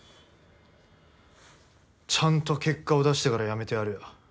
ちゃんと結果を出してから辞めてやるよ。